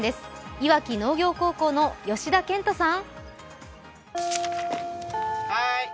磐城農業高校の吉田健人さん。